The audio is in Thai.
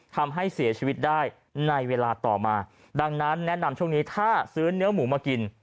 ทำให้เสียชีวิตได้ในเวลาต่อมาดังนั้นแนะนำช่วงนี้ถ้าซื้อเนื้อหมูมากิน